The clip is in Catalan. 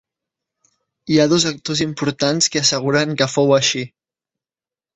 Hi ha dos actors importants que asseguren que fou així.